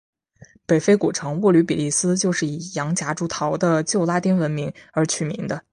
北非古城沃吕比利斯就是以洋夹竹桃的旧拉丁文名而取名的。